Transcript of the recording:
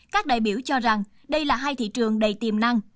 các đại biểu cho rằng đây là hai thị trường đầy tiềm năng